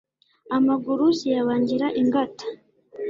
amaguru ziyabagira ingata